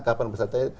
kapan besar tni